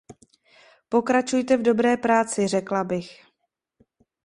Pokračujte v dobré práci, řekla bych.